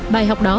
bài học đó